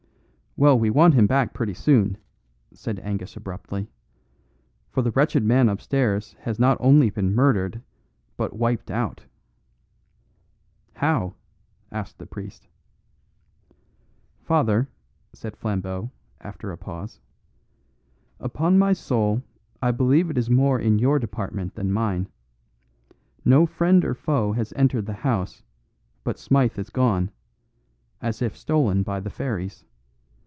"Well, we want him back pretty soon," said Angus abruptly, "for the wretched man upstairs has not only been murdered, but wiped out." "How?" asked the priest. "Father," said Flambeau, after a pause, "upon my soul I believe it is more in your department than mine. No friend or foe has entered the house, but Smythe is gone, as if stolen by the fairies.